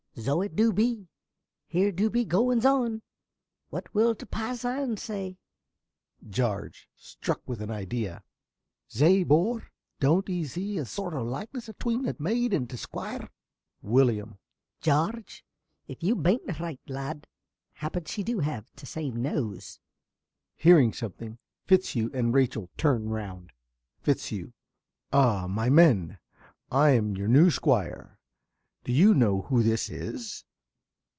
~ Zo it du be. Here du be goings on! What will t' passon say? ~Jarge~ (struck with an idea). Zay, bor, don't 'ee zee a zort o' loikeness atween t' maid and t' Squire? ~Willyum.~ Jarge, if you bain't right, lad. Happen she do have t' same nose! (Hearing something, Fitzhugh and Rachel turn round.) ~Fitzhugh.~ Ah, my men! I'm your new Squire. Do you know who this is?